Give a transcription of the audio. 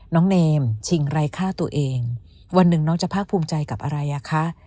เนมชิงไร้ค่าตัวเองวันหนึ่งน้องจะภาคภูมิใจกับอะไรอ่ะคะ